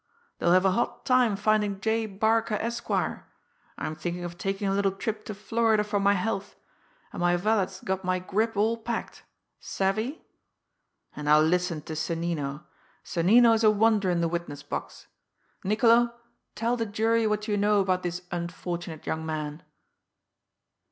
They'll have a hot time finding J. Barca, Esquire! I'm thinking of taking a little trip to Florida for my health, and my valet's got my grip all packed! Savvy? And now listen to Sonnino. Sonnino's a wonder in the witness box. Niccolo, tell the jury what you know about this unfortunate young man."